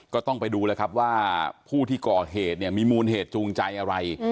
ก็ต้องไปดูว่าผู้ที่ก่อเหตุมีมูลเหตุจูงใจอะไร